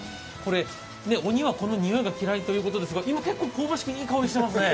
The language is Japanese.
鬼はこのにおいが嫌いということですが、今、香ばしくていい香りがしてますね。